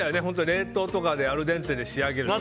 冷凍とかでアルデンテに仕上げるの。